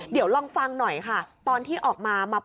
เดี๋ยวลองฟังหน่อยค่ะตอนที่ออกมามา